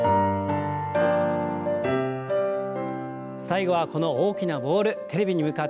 最後はこの大きなボールテレビに向かって投げてみましょう。